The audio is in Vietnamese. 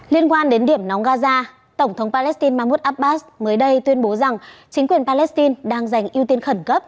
liên quan đến điểm nóng gaza tổng thống palestine mahmoud abbas mới đây tuyên bố rằng chính quyền palestine đang giành ưu tiên khẩn cấp